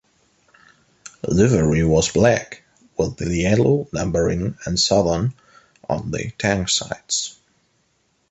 Livery was black, with yellow numbering and 'Southern' on the tank sides.